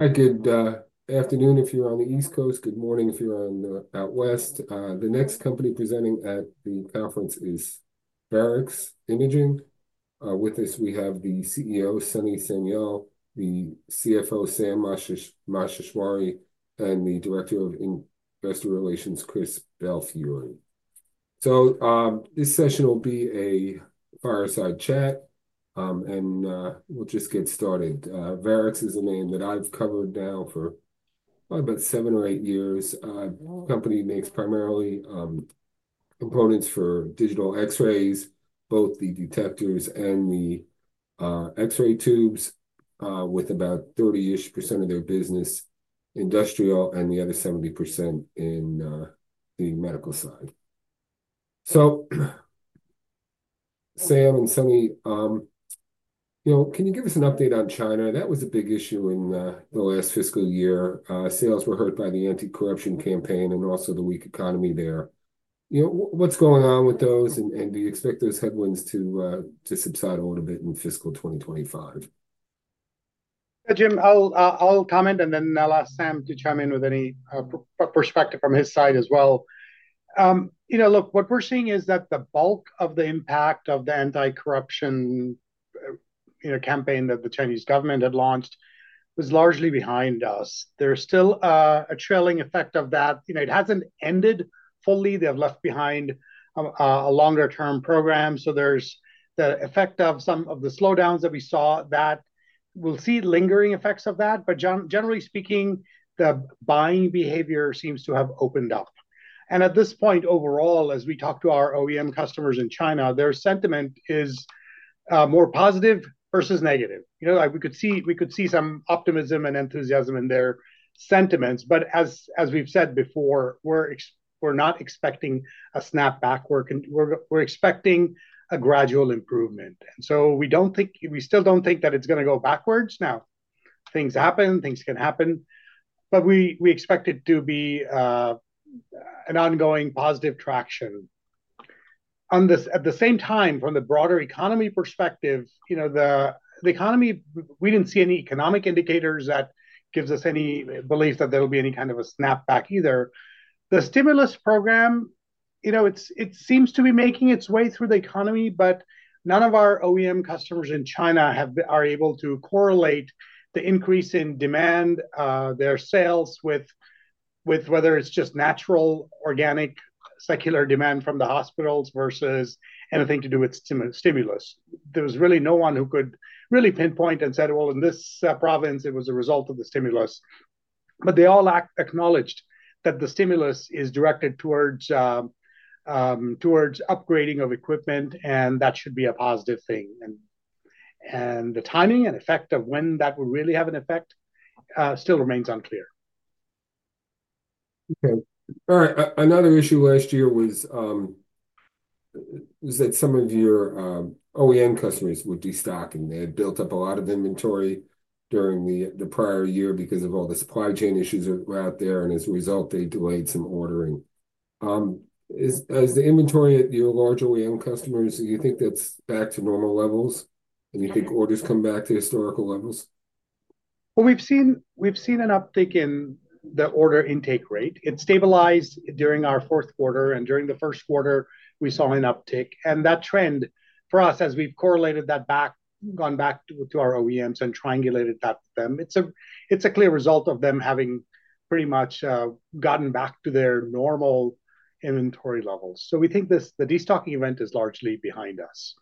Hi, good afternoon if you're on the East Coast. Good morning if you're out West. The next company presenting at the conference is Varex Imaging. With us, we have the CEO, Sunny Sanyal, the CFO, Sam Maheshwari, and the Director of Investor Relations, Chris Belfiore. This session will be a fireside chat, and we'll just get started. Varex is a name that I've covered now for probably about seven or eight years. The company makes primarily components for digital X-rays, both the detectors and the X-ray tubes, with about 30% of their business industrial and the other 70% in the medical side. Sam and Sunny, can you give us an update on China? That was a big issue in the last fiscal year. Sales were hurt by the anti-corruption campaign and also the weak economy there. What's going on with those, and do you expect those headwinds to subside a little bit in fiscal 2025? Jim, I'll comment, and then I'll ask Sam to chime in with any perspective from his side as well. Look, what we're seeing is that the bulk of the impact of the anti-corruption campaign that the Chinese government had launched was largely behind us. There's still a trailing effect of that. It hasn't ended fully. They've left behind a longer-term program. There is the effect of some of the slowdowns that we saw that we'll see lingering effects of that. Generally speaking, the buying behavior seems to have opened up. At this point, overall, as we talk to our OEM customers in China, their sentiment is more positive versus negative. We could see some optimism and enthusiasm in their sentiments. As we've said before, we're not expecting a snap back. We're expecting a gradual improvement. We still don't think that it's going to go backwards. Now, things happen. Things can happen. We expect it to be an ongoing positive traction. At the same time, from the broader economy perspective, the economy, we did not see any economic indicators that give us any belief that there will be any kind of a snap back either. The stimulus program, it seems to be making its way through the economy, but none of our OEM customers in China are able to correlate the increase in demand, their sales, with whether it is just natural, organic, secular demand from the hospitals versus anything to do with stimulus. There was really no one who could really pinpoint and said, you know, in this province, it was a result of the stimulus. They all acknowledged that the stimulus is directed towards upgrading of equipment, and that should be a positive thing. The timing and effect of when that will really have an effect still remains unclear. Okay. Another issue last year was that some of your OEM customers would destock, and they had built up a lot of inventory during the prior year because of all the supply chain issues that were out there. As a result, they delayed some ordering. Is the inventory at your large OEM customers, do you think that's back to normal levels? Do you think orders come back to historical levels? We've seen an uptick in the order intake rate. It stabilized during our fourth quarter. During the first quarter, we saw an uptick. That trend for us, as we've correlated that back, gone back to our OEMs and triangulated that for them, it's a clear result of them having pretty much gotten back to their normal inventory levels. We think the destocking event is largely behind us.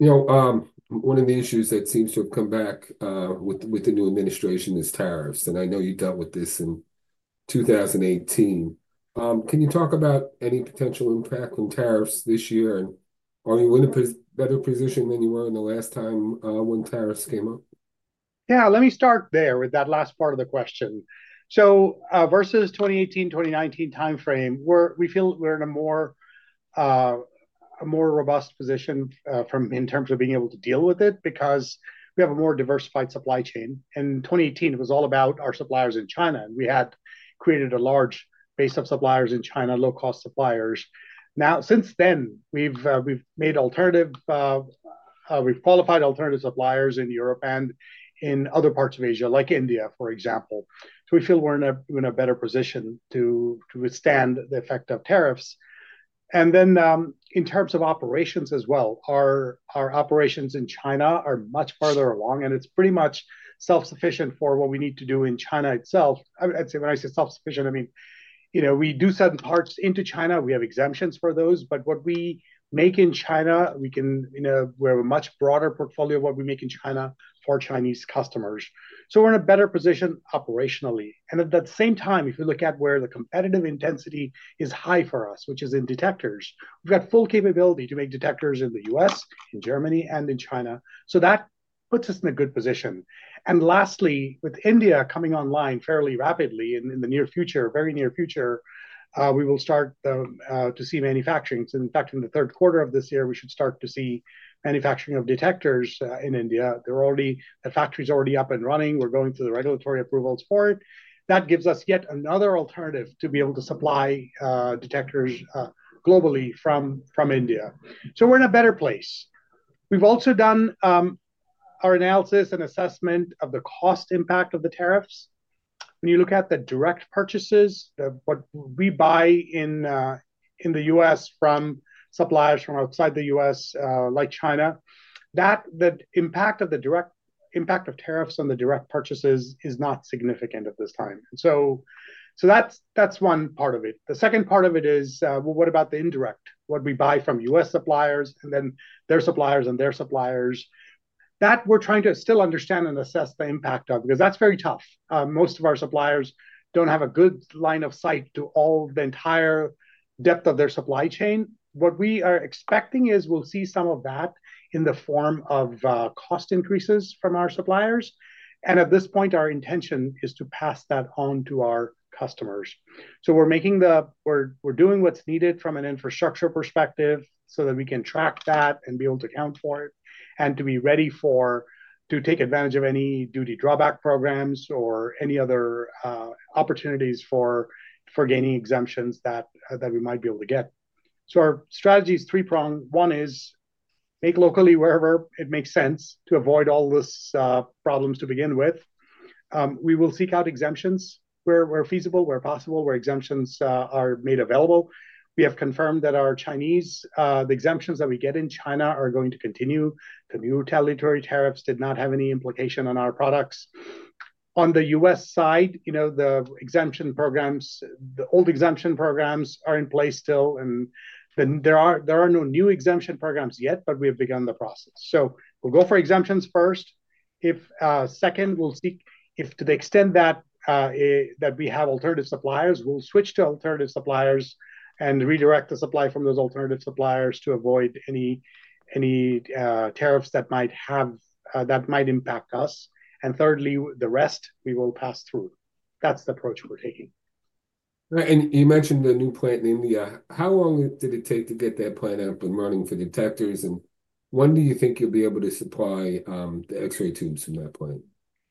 One of the issues that seems to have come back with the new administration is tariffs. I know you dealt with this in 2018. Can you talk about any potential impact on tariffs this year? Are you in a better position than you were in the last time when tariffs came up? Yeah, let me start there with that last part of the question. Versus 2018, 2019 timeframe, we feel we're in a more robust position in terms of being able to deal with it because we have a more diversified supply chain. In 2018, it was all about our suppliers in China. We had created a large base of suppliers in China, low-cost suppliers. Now, since then, we've qualified alternative suppliers in Europe and in other parts of Asia, like India, for example. We feel we're in a better position to withstand the effect of tariffs. In terms of operations as well, our operations in China are much farther along, and it's pretty much self-sufficient for what we need to do in China itself. When I say self-sufficient, I mean we do send parts into China. We have exemptions for those. What we make in China, we have a much broader portfolio of what we make in China for Chinese customers. We are in a better position operationally. At that same time, if you look at where the competitive intensity is high for us, which is in detectors, we have full capability to make detectors in the U.S., in Germany, and in China. That puts us in a good position. Lastly, with India coming online fairly rapidly in the near future, very near future, we will start to see manufacturing. In fact, in the third quarter of this year, we should start to see manufacturing of detectors in India. The factory is already up and running. We are going through the regulatory approvals for it. That gives us yet another alternative to be able to supply detectors globally from India. We are in a better place. We've also done our analysis and assessment of the cost impact of the tariffs. When you look at the direct purchases, what we buy in the U.S. from suppliers from outside the U.S., like China, the impact of the direct impact of tariffs on the direct purchases is not significant at this time. That's one part of it. The second part of it is, well, what about the indirect? What we buy from U.S. suppliers and then their suppliers and their suppliers, that we're trying to still understand and assess the impact of because that's very tough. Most of our suppliers don't have a good line of sight to all the entire depth of their supply chain. What we are expecting is we'll see some of that in the form of cost increases from our suppliers. At this point, our intention is to pass that on to our customers. We are doing what is needed from an infrastructure perspective so that we can track that and be able to account for it and to be ready to take advantage of any duty drawback programs or any other opportunities for gaining exemptions that we might be able to get. Our strategy is three-pronged. One is make locally wherever it makes sense to avoid all these problems to begin with. We will seek out exemptions where feasible, where possible, where exemptions are made available. We have confirmed that the exemptions that we get in China are going to continue. The new retaliatory tariffs did not have any implication on our products. On the U.S. side, the exemption programs, the old exemption programs are in place still. There are no new exemption programs yet, but we have begun the process. We will go for exemptions first. Second, we will see if to the extent that we have alternative suppliers, we will switch to alternative suppliers and redirect the supply from those alternative suppliers to avoid any tariffs that might impact us. Thirdly, the rest, we will pass through. That is the approach we are taking. You mentioned a new plant in India. How long did it take to get that plant up and running for detectors? When do you think you'll be able to supply the X-ray tubes from that plant?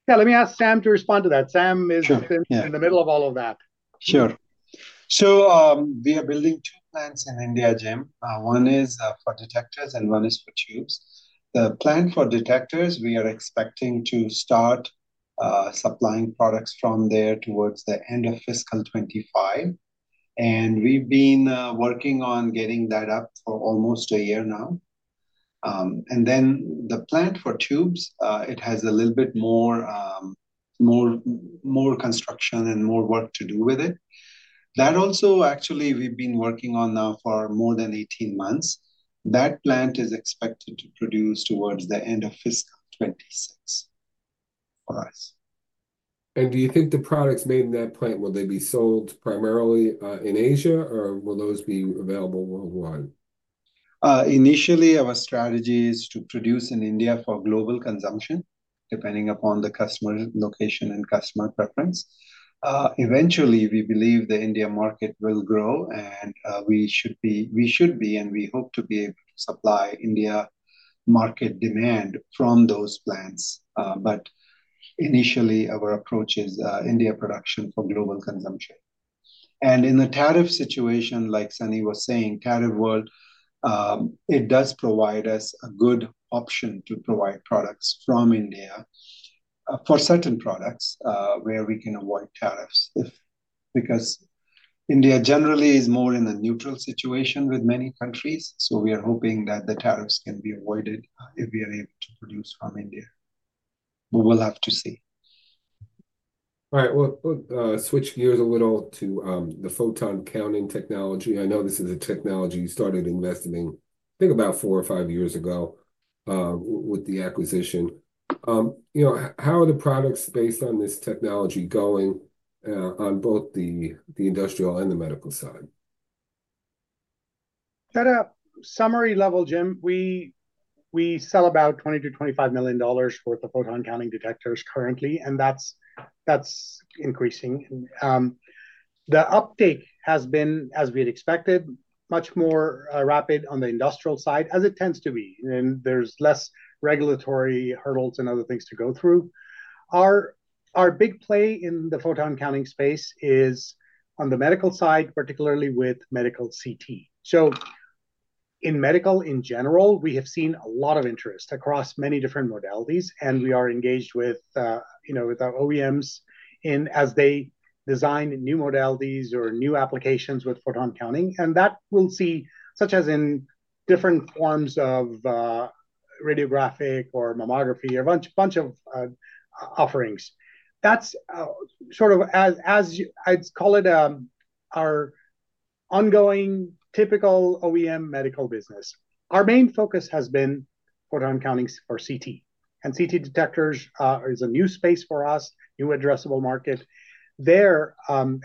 Yeah, let me ask Sam to respond to that. Sam is in the middle of all of that. Sure. We are building two plants in India, Jim. One is for detectors and one is for tubes. The plant for detectors, we are expecting to start supplying products from there towards the end of fiscal 2025. We have been working on getting that up for almost a year now. The plant for tubes has a little bit more construction and more work to do with it. Actually, we have been working on that now for more than 18 months. That plant is expected to produce towards the end of fiscal 2026 for us. Do you think the products made in that plant, will they be sold primarily in Asia, or will those be available worldwide? Initially, our strategy is to produce in India for global consumption, depending upon the customer location and customer preference. Eventually, we believe the India market will grow, and we should be, and we hope to be able to supply India market demand from those plants. Initially, our approach is India production for global consumption. In the tariff situation, like Sunny was saying, tariff world, it does provide us a good option to provide products from India for certain products where we can avoid tariffs because India generally is more in a neutral situation with many countries. We are hoping that the tariffs can be avoided if we are able to produce from India. We will have to see. All right. We'll switch gears a little to the photon counting technology. I know this is a technology you started investing in, I think, about four or five years ago with the acquisition. How are the products based on this technology going on both the industrial and the medical side? At a summary level, Jim, we sell about $20 million-$25 million worth of photon counting detectors currently, and that's increasing. The uptake has been, as we had expected, much more rapid on the industrial side, as it tends to be. There are less regulatory hurdles and other things to go through. Our big play in the photon counting space is on the medical side, particularly with medical CT. In medical, in general, we have seen a lot of interest across many different modalities. We are engaged with our OEMs as they design new modalities or new applications with photon counting. We will see that, such as in different forms of radiographic or mammography or a bunch of offerings. That's sort of, I'd call it, our ongoing typical OEM medical business. Our main focus has been photon counting or CT. CT detectors is a new space for us, new addressable market. There,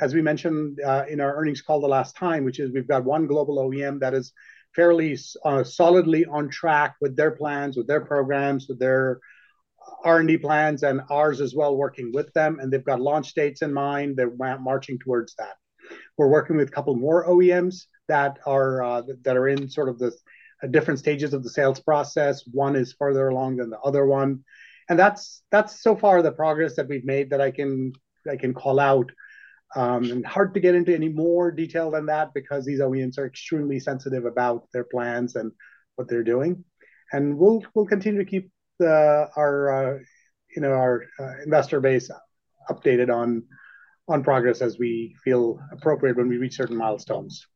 as we mentioned in our earnings call the last time, which is we've got one global OEM that is fairly solidly on track with their plans, with their programs, with their R&D plans and ours as well, working with them. They've got launch dates in mind. They're marching towards that. We're working with a couple more OEMs that are in sort of the different stages of the sales process. One is further along than the other one. That's so far the progress that we've made that I can call out. It's hard to get into any more detail than that because these OEMs are extremely sensitive about their plans and what they're doing. We'll continue to keep our investor base updated on progress as we feel appropriate when we reach certain milestones.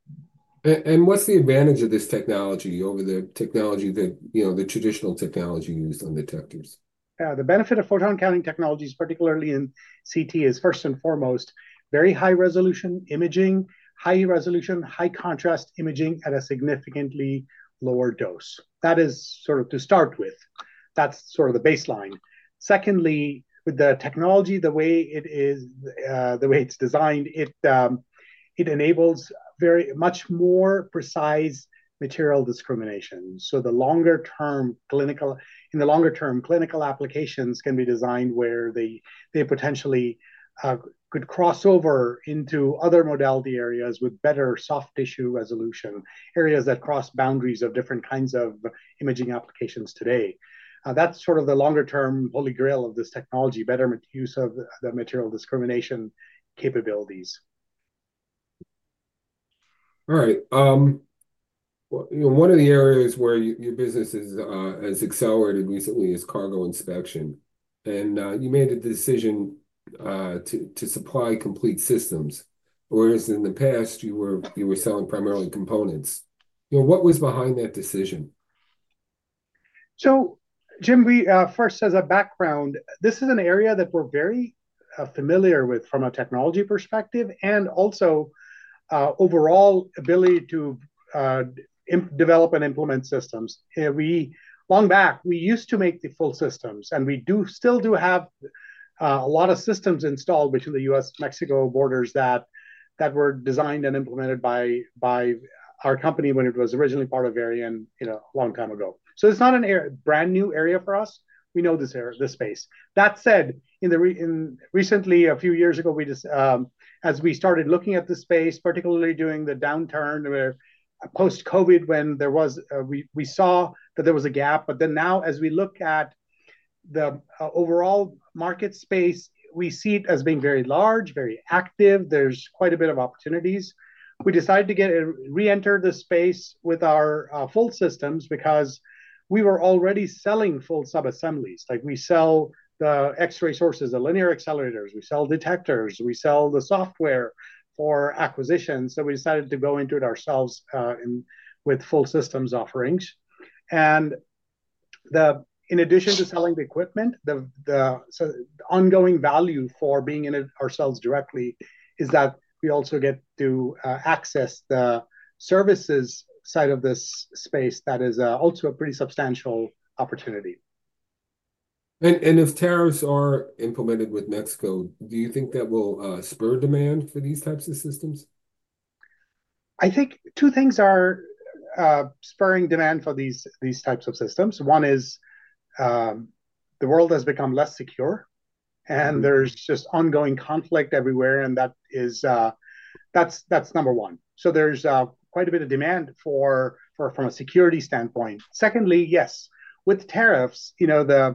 What's the advantage of this technology over the technology, the traditional technology used on detectors? The benefit of photon counting technologies, particularly in CT, is first and foremost, very high resolution imaging, high resolution, high contrast imaging at a significantly lower dose. That is sort of to start with. That's sort of the baseline. Secondly, with the technology, the way it is, the way it's designed, it enables very much more precise material discrimination. In the longer-term clinical applications can be designed where they potentially could cross over into other modality areas with better soft tissue resolution, areas that cross boundaries of different kinds of imaging applications today. That's sort of the longer-term holy grail of this technology, better use of the material discrimination capabilities. All right. One of the areas where your business has accelerated recently is cargo inspection. You made a decision to supply complete systems, whereas in the past, you were selling primarily components. What was behind that decision? Jim, first, as a background, this is an area that we're very familiar with from a technology perspective and also overall ability to develop and implement systems. Long back, we used to make the full systems. We still do have a lot of systems installed between the U.S.-Mexico borders that were designed and implemented by our company when it was originally part of Varex a long time ago. It is not a brand new area for us. We know this space. That said, recently, a few years ago, as we started looking at the space, particularly during the downturn post-COVID, we saw that there was a gap. Now, as we look at the overall market space, we see it as being very large, very active. There is quite a bit of opportunities. We decided to re-enter the space with our full systems because we were already selling full sub-assemblies. We sell the X-ray sources, the linear accelerators. We sell detectors. We sell the software for acquisitions. We decided to go into it ourselves with full systems offerings. In addition to selling the equipment, the ongoing value for being in it ourselves directly is that we also get to access the services side of this space that is also a pretty substantial opportunity. As tariffs are implemented with Mexico, do you think that will spur demand for these types of systems? I think two things are spurring demand for these types of systems. One is the world has become less secure, and there's just ongoing conflict everywhere. That's number one. There is quite a bit of demand from a security standpoint. Secondly, yes, with tariffs, the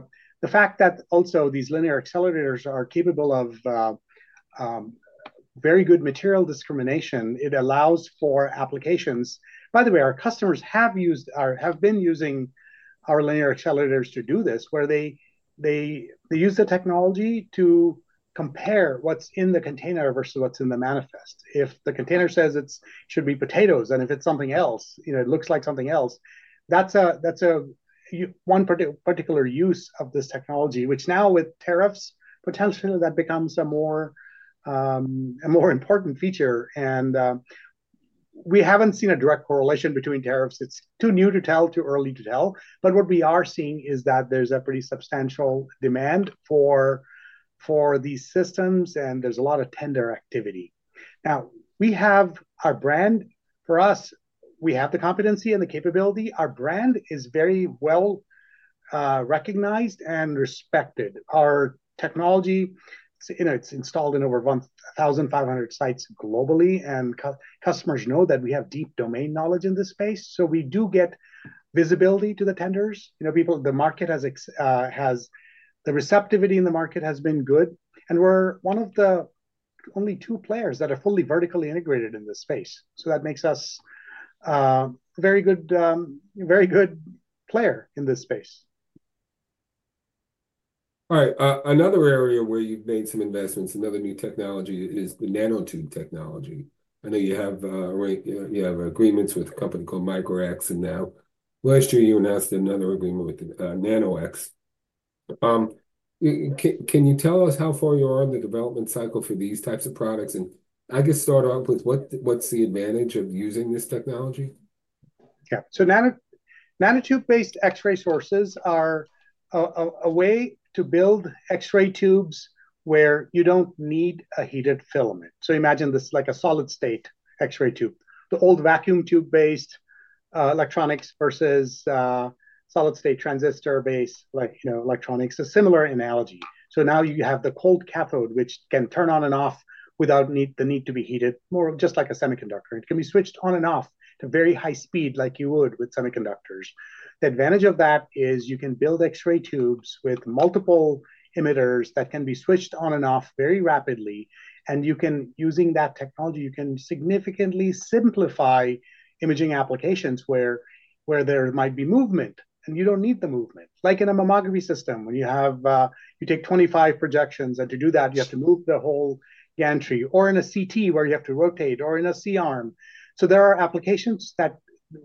fact that also these linear accelerators are capable of very good material discrimination, it allows for applications. By the way, our customers have been using our linear accelerators to do this, where they use the technology to compare what's in the container versus what's in the manifest. If the container says it should be potatoes, and if it's something else, it looks like something else, that's one particular use of this technology, which now with tariffs, potentially that becomes a more important feature. We haven't seen a direct correlation between tariffs. It's too new to tell, too early to tell. What we are seeing is that there's a pretty substantial demand for these systems, and there's a lot of tender activity. Now, we have our brand. For us, we have the competency and the capability. Our brand is very well recognized and respected. Our technology, it's installed in over 1,500 sites globally. Customers know that we have deep domain knowledge in this space. We do get visibility to the tenders. The receptivity in the market has been good. We are one of the only two players that are fully vertically integrated in this space. That makes us a very good player in this space. All right. Another area where you've made some investments, another new technology, is the nanotube technology. I know you have agreements with a company called Micro-X now. Last year, you announced another agreement with Nanox. Can you tell us how far you are in the development cycle for these types of products? I guess start off with what's the advantage of using this technology? Yeah. So nanotube-based X-ray sources are a way to build X-ray tubes where you don't need a heated filament. Imagine this is like a solid-state X-ray tube. The old vacuum tube-based electronics versus solid-state transistor-based electronics is a similar analogy. Now you have the cold cathode, which can turn on and off without the need to be heated, more just like a semiconductor. It can be switched on and off to very high speed like you would with semiconductors. The advantage of that is you can build X-ray tubes with multiple emitters that can be switched on and off very rapidly. Using that technology, you can significantly simplify imaging applications where there might be movement, and you don't need the movement. Like in a mammography system, when you take 25 projections, and to do that, you have to move the whole gantry, or in a CT where you have to rotate, or in a C-arm. There are applications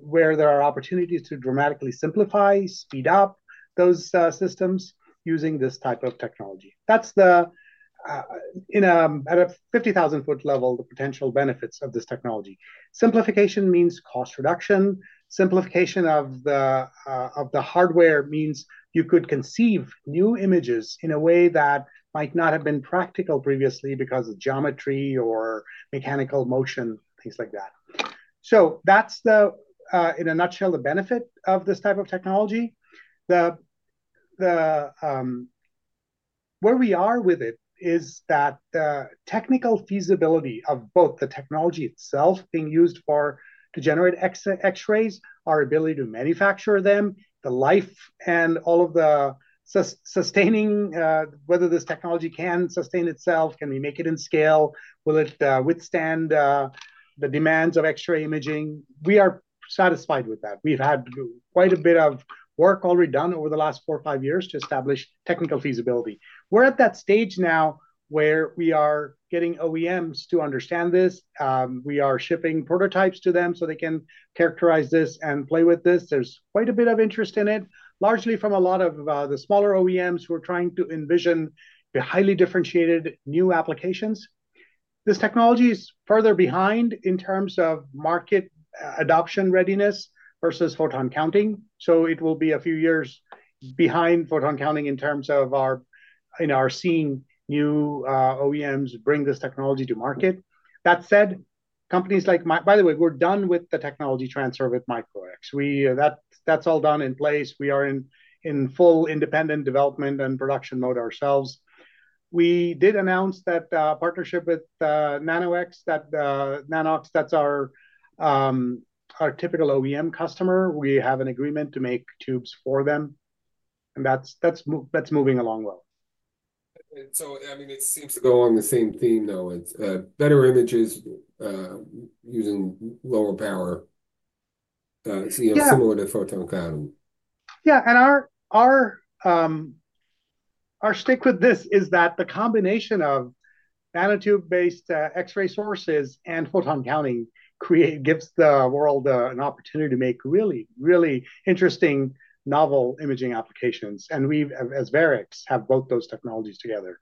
where there are opportunities to dramatically simplify, speed up those systems using this type of technology. That's the, at a 50,000-foot level, the potential benefits of this technology. Simplification means cost reduction. Simplification of the hardware means you could conceive new images in a way that might not have been practical previously because of geometry or mechanical motion, things like that. That's, in a nutshell, the benefit of this type of technology. Where we are with it is that the technical feasibility of both the technology itself being used to generate X-rays, our ability to manufacture them, the life and all of the sustaining, whether this technology can sustain itself, can we make it in scale, will it withstand the demands of X-ray imaging. We are satisfied with that. We've had quite a bit of work already done over the last four or five years to establish technical feasibility. We're at that stage now where we are getting OEMs to understand this. We are shipping prototypes to them so they can characterize this and play with this. There's quite a bit of interest in it, largely from a lot of the smaller OEMs who are trying to envision highly differentiated new applications. This technology is further behind in terms of market adoption readiness versus photon counting. It will be a few years behind photon counting in terms of our seeing new OEMs bring this technology to market. That said, by the way, we're done with the technology transfer with Micro-X. That's all done in place. We are in full independent development and production mode ourselves. We did announce that partnership with Nanox, that's our typical OEM customer. We have an agreement to make tubes for them. That's moving along well. I mean, it seems to go on the same theme, though. It's better images using lower power. It's similar to photon counting. Yeah. Our stick with this is that the combination of nanotube-based X-ray sources and photon counting gives the world an opportunity to make really, really interesting, novel imaging applications. We, as Varex, have both those technologies together.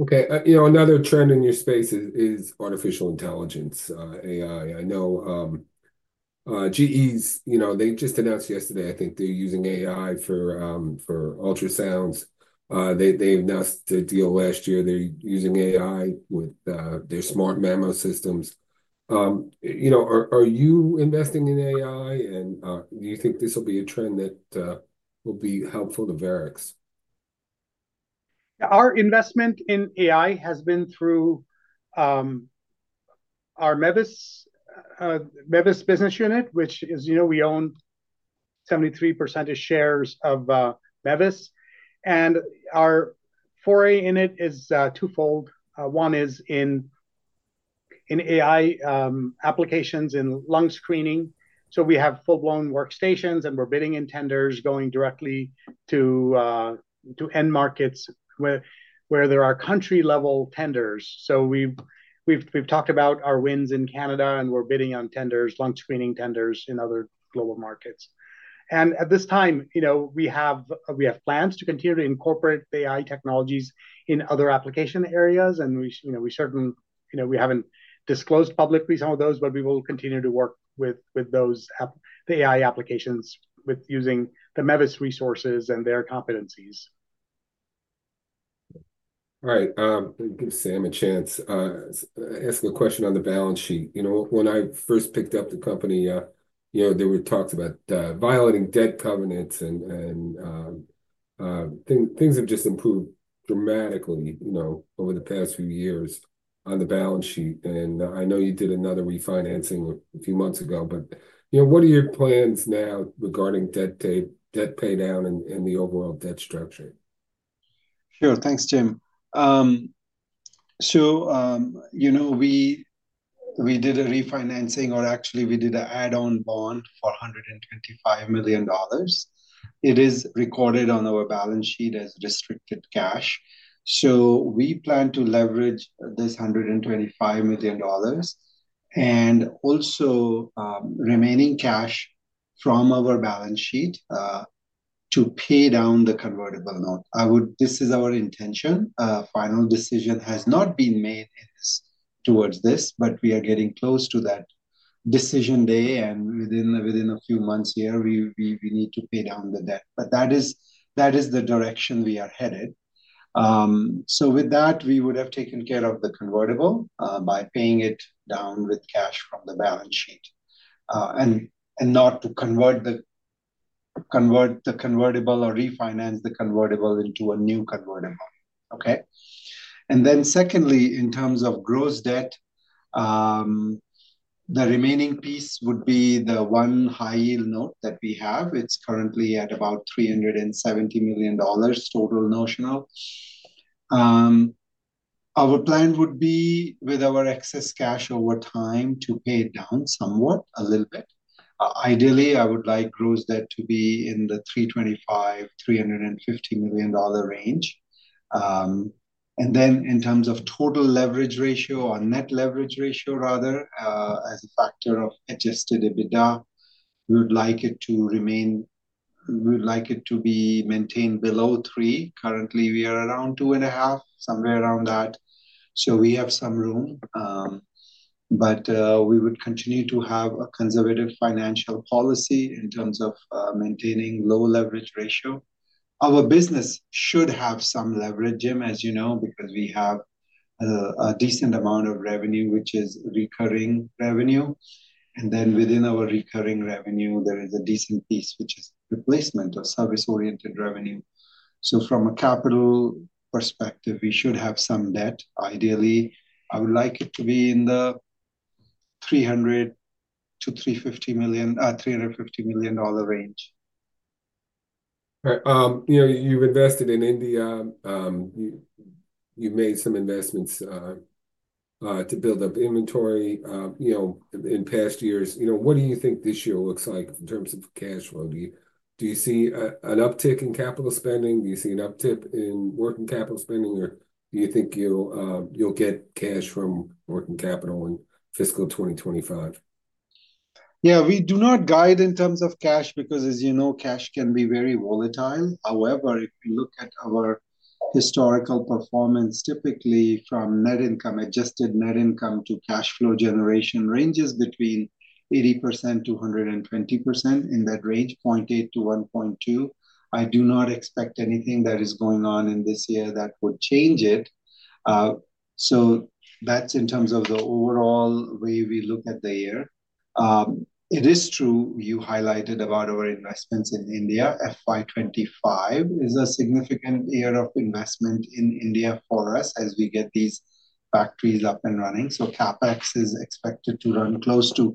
Okay. Another trend in your space is artificial intelligence, AI. I know GE, they just announced yesterday, I think they're using AI for ultrasounds. They announced a deal last year. They're using AI with their smart mammo systems. Are you investing in AI? And do you think this will be a trend that will be helpful to Varex? Our investment in AI has been through our MeVis business unit, which is we own 73% of shares of MeVis. Our foray in it is twofold. One is in AI applications in lung screening. We have full-blown workstations, and we're bidding in tenders going directly to end markets where there are country-level tenders. We've talked about our wins in Canada, and we're bidding on tenders, lung screening tenders in other global markets. At this time, we have plans to continue to incorporate AI technologies in other application areas. We haven't disclosed publicly some of those, but we will continue to work with those AI applications using the MeVis resources and their competencies. All right. I'll give Sam a chance to ask a question on the balance sheet. When I first picked up the company, there were talks about violating debt covenants. Things have just improved dramatically over the past few years on the balance sheet. I know you did another refinancing a few months ago. What are your plans now regarding debt pay down and the overall debt structure? Sure. Thanks, Jim. We did a refinancing, or actually, we did an add-on bond for $125 million. It is recorded on our balance sheet as restricted cash. We plan to leverage this $125 million and also remaining cash from our balance sheet to pay down the convertible note. This is our intention. Final decision has not been made towards this, but we are getting close to that decision day. Within a few months here, we need to pay down the debt. That is the direction we are headed. With that, we would have taken care of the convertible by paying it down with cash from the balance sheet and not to convert the convertible or refinance the convertible into a new convertible. Okay? Secondly, in terms of gross debt, the remaining piece would be the one high-yield note that we have. It's currently at about $370 million total notional. Our plan would be, with our excess cash over time, to pay it down somewhat, a little bit. Ideally, I would like gross debt to be in the $325 million-$350 million range. In terms of total leverage ratio or net leverage ratio, rather, as a factor of adjusted EBITDA, we would like it to remain, we would like it to be maintained below three. Currently, we are around two and a half, somewhere around that. We have some room. We would continue to have a conservative financial policy in terms of maintaining low leverage ratio. Our business should have some leverage, Jim, as you know, because we have a decent amount of revenue, which is recurring revenue. Within our recurring revenue, there is a decent piece, which is replacement of service-oriented revenue. From a capital perspective, we should have some debt. Ideally, I would like it to be in the $300 million-$350 million range. Right. You've invested in India. You've made some investments to build up inventory in past years. What do you think this year looks like in terms of cash flow? Do you see an uptick in capital spending? Do you see an uptick in working capital spending? Or do you think you'll get cash from working capital in fiscal 2025? Yeah. We do not guide in terms of cash because, as you know, cash can be very volatile. However, if you look at our historical performance, typically from net income, adjusted net income to cash flow generation ranges between 80% to 120% in that range, 0.8 to 1.2. I do not expect anything that is going on in this year that would change it. That is in terms of the overall way we look at the year. It is true, you highlighted about our investments in India. FY 2025 is a significant year of investment in India for us as we get these factories up and running. CapEx is expected to run close to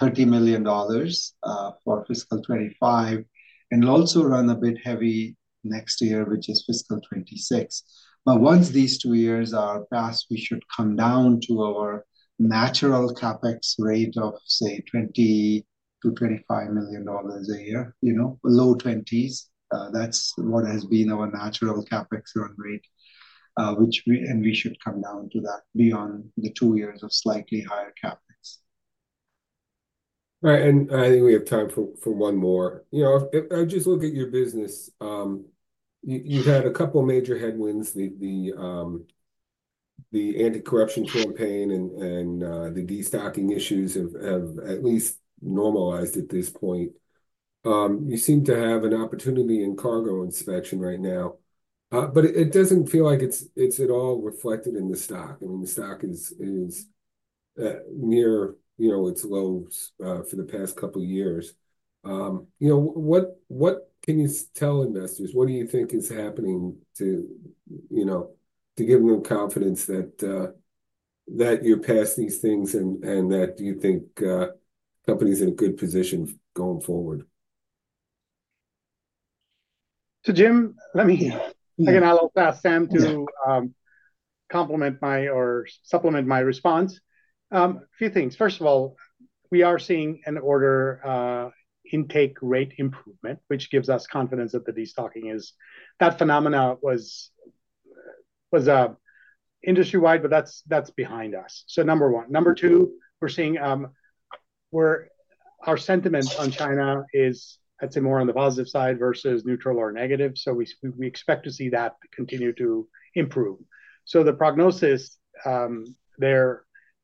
$30 million for fiscal 2025 and also run a bit heavy next year, which is fiscal 2026. Once these two years are passed, we should come down to our natural CapEx rate of, say, $20 million-$25 million a year, below 20s. That's what has been our natural CapEx run rate. We should come down to that beyond the two years of slightly higher CapEx. Right. I think we have time for one more. I just look at your business. You've had a couple of major headwinds. The anti-corruption campaign and the destocking issues have at least normalized at this point. You seem to have an opportunity in cargo inspection right now. It does not feel like it is at all reflected in the stock. I mean, the stock is near its lows for the past couple of years. What can you tell investors? What do you think is happening to give them confidence that you are past these things and that you think the company is in a good position going forward? Jim, let me again, I'll ask Sam to complement or supplement my response. A few things. First of all, we are seeing an order intake rate improvement, which gives us confidence that the destocking is that phenomena was industry-wide, but that's behind us. Number one. Number two, we're seeing our sentiment on China is, I'd say, more on the positive side versus neutral or negative. We expect to see that continue to improve. The prognosis,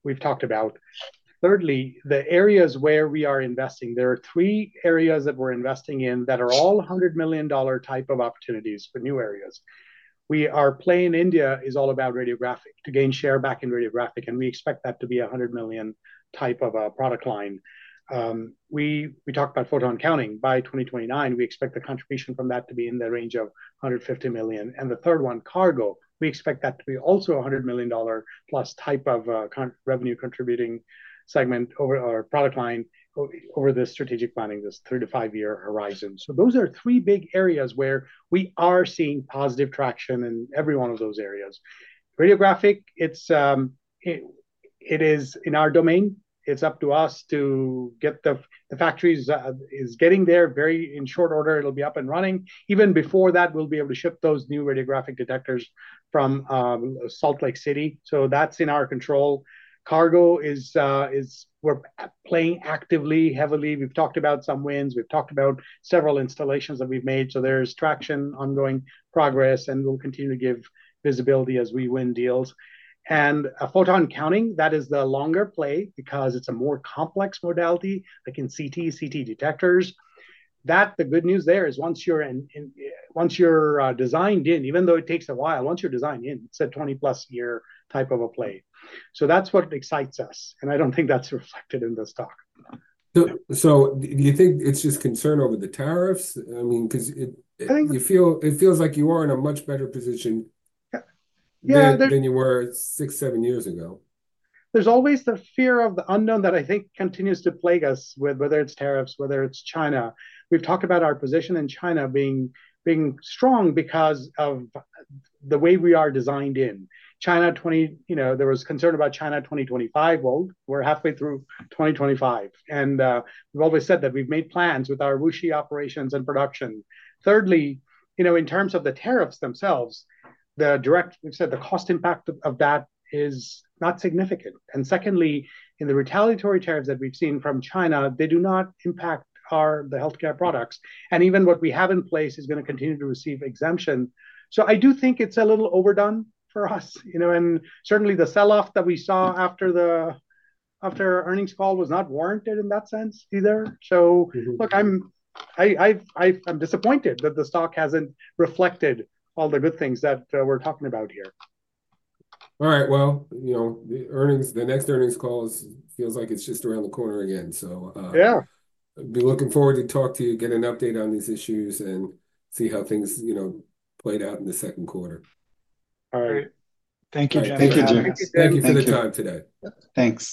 we've talked about. Thirdly, the areas where we are investing, there are three areas that we're investing in that are all $100 million type of opportunities for new areas. We are playing India is all about radiographic to gain share back in radiographic. We expect that to be a $100 million type of a product line. We talked about photon counting. By 2029, we expect the contribution from that to be in the range of $150 million. The third one, cargo, we expect that to be also a $100 million-plus type of revenue contributing segment or product line over the strategic planning, this three to five-year horizon. Those are three big areas where we are seeing positive traction in every one of those areas. Radiographic, it is in our domain. It's up to us to get the factories is getting there very in short order. It'll be up and running. Even before that, we'll be able to ship those new radiographic detectors from Salt Lake City. That's in our control. Cargo, we're playing actively, heavily. We've talked about some wins. We've talked about several installations that we've made. There is traction, ongoing progress, and we'll continue to give visibility as we win deals. Photon counting, that is the longer play because it's a more complex modality like in CT, CT detectors. The good news there is once you're designed in, even though it takes a while, once you're designed in, it's a 20+ year type of a play. That is what excites us. I don't think that's reflected in this talk. Do you think it's just concern over the tariffs? I mean, because it feels like you are in a much better position than you were six, seven years ago. There's always the fear of the unknown that I think continues to plague us with, whether it's tariffs, whether it's China. We've talked about our position in China being strong because of the way we are designed in. There was concern about China 2025 world. We're halfway through 2025. We've always said that we've made plans with our Wuxi operations and production. Thirdly, in terms of the tariffs themselves, the direct, we've said the cost impact of that is not significant. Secondly, in the retaliatory tariffs that we've seen from China, they do not impact the healthcare products. Even what we have in place is going to continue to receive exemptions. I do think it's a little overdone for us. Certainly, the selloff that we saw after earnings call was not warranted in that sense either. Look, I'm disappointed that the stock hasn't reflected all the good things that we're talking about here. All right. The next earnings call feels like it's just around the corner again. I'll be looking forward to talk to you, get an update on these issues, and see how things played out in the second quarter. All right. Thank you, Jim. Thank you, Jim. Thank you for the time today. Thanks.